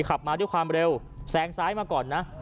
ขับมาด้วยความเร็วแซงซ้ายมาก่อนนะ